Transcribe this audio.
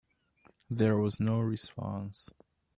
There was no response.